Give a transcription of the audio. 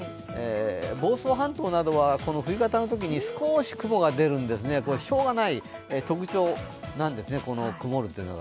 房総半島などは冬型のときに少し雲が出るんですね、しようがない特徴なんですね、曇るというのは。